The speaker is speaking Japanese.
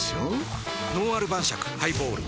「のんある晩酌ハイボール」